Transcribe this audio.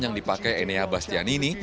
yang dipakai enea bastianini